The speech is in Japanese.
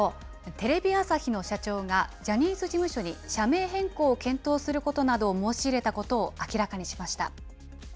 テレビ朝日の社長が、ジャニーズ事務所に社名変更を検討することなどを申し入れたことを明らかにしました。